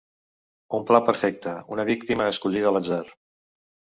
Un pla perfecte, una víctima escollida a l'atzar.